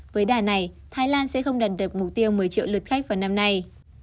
với đả này thái lan sẽ không đần đập mục tiêu một mươi triệu lượt khách vào năm nay